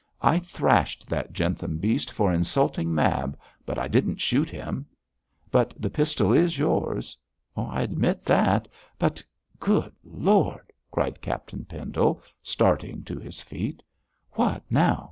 'I thrashed that Jentham beast for insulting Mab, but I didn't shoot him.' 'But the pistol is yours.' 'I admit that, but Good Lord!' cried Captain Pendle, starting to his feet. 'What now?'